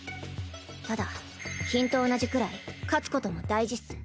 ただ品と同じくらい勝つことも大事っス。